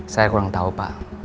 saya kurang tahu pak